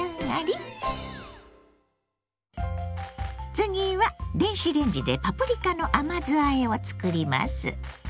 次は電子レンジでパプリカの甘酢あえを作ります。